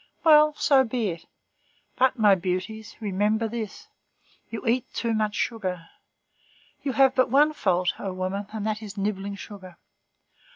Well, so be it; but, my beauties, remember this, you eat too much sugar. You have but one fault, O woman, and that is nibbling sugar.